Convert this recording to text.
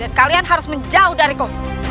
dan kalian harus menjauh dari kau